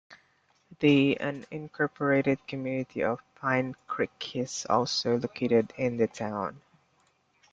The unincorporated community of Pine Creek is also located in the town.